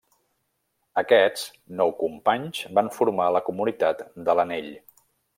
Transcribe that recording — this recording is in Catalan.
Aquests nou companys van formar la Comunitat de l'Anell.